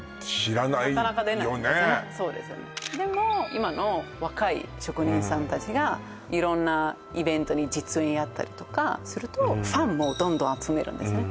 今の若い職人さん達が色んなイベントに実演やったりとかするとファンもどんどん集めるんですね